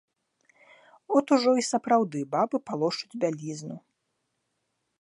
От ужо і сапраўды бабы палошчуць бялізну.